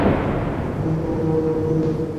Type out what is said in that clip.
খবরদার আমার গায়ে হাত দিবে না!